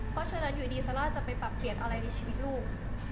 เพราะฉะนั้นอยู่ดีซาร่าจะไปปรับเปลี่ยนอะไรในชีวิตลูก